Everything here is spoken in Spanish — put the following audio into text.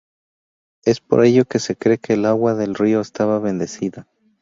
Es por ello que se cree que el agua del río está bendecida.